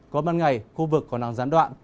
có ban ngày khu vực còn đang gián đoạn